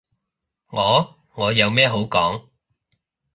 我？我有咩好講？